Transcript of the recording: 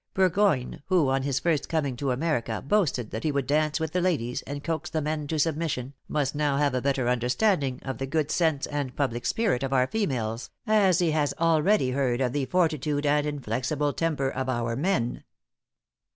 Burgoyne, who, on his first coming to America, boasted that he would dance with the ladies, and coax the men to submission, must now have a better understanding of the good sense and public spirit of our females, as he has already heard of the fortitude and inflexible temper of our men."